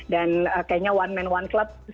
dan kayaknya one man one club